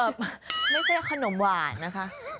ไม่ใช่ขนมหวานนะคะ